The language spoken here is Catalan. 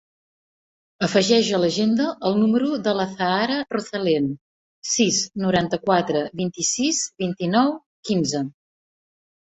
Afegeix a l'agenda el número de l'Azahara Rozalen: sis, noranta-quatre, vint-i-sis, vint-i-nou, quinze.